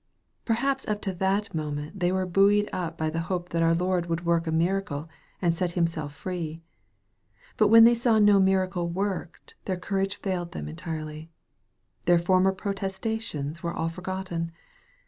Perhaps up to that moment they were buoyed up by the hope that our Lord would work a miracle, and set Himself free. But when they saw no miracle worked, their courage failed them entirely. Their former protestations were all forgotten.